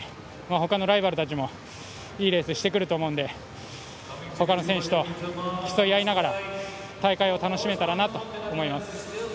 ほかのライバルたちもいいレースしてくると思うのでほかの選手と競い合いながら大会を楽しめたらなと思います。